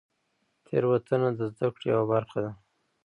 تېروتنه د زدهکړې یوه برخه ده.